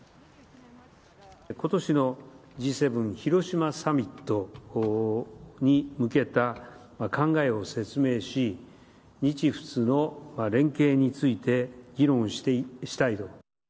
ことしのＧ７広島サミットに向けた考えを説明し、日仏の連携について議論したいと。